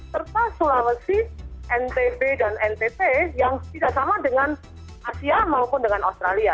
serta sulawesi ntb dan ntt yang tidak sama dengan asia maupun dengan australia